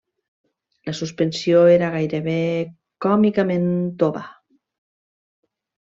La suspensió era gairebé còmicament tova.